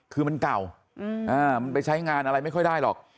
คือมันเก่ามันไปใช้งานอะไรไม่ค่อยได้หรอก